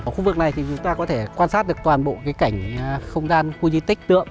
khu vực này thì chúng ta có thể quan sát được toàn bộ cái cảnh không gian khu di tích tượng